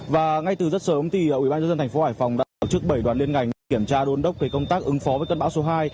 và ngay từ rất sớm ubnd tp hải phòng đã tổ chức bảy đoàn liên ngành kiểm tra đôn đốc về công tác ứng phó với cơn bão số hai